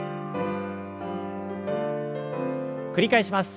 繰り返します。